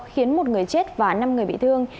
khiến một người chết và năm người bị thương